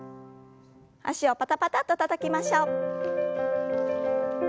脚をパタパタッとたたきましょう。